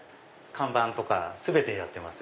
看板とか全てやってます